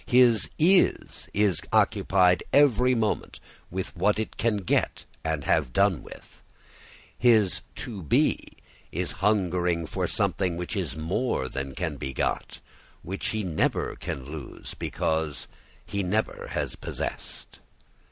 His is is occupied every moment with what it can get and have done with; his to be is hungering for something which is more than can be got, which he never can lose because he never has possessed.